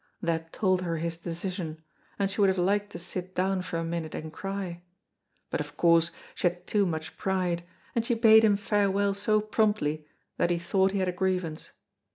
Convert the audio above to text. That told her his decision, and she would have liked to sit down for a minute and cry, but of course she had too much pride, and she bade him farewell so promptly that he thought he had a grievance.